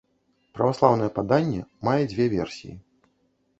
Праваслаўнае паданне мае дзве версіі.